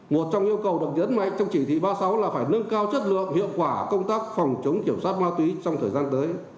một trong yêu cầu được nhấn mạnh trong chỉ thị ba mươi sáu là phải nâng cao chất lượng hiệu quả công tác phòng chống kiểm soát ma túy trong thời gian tới